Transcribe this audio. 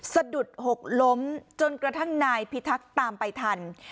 สะดุดหกล้มจนกระทั่งนายพิทักษ์ตามไปทัน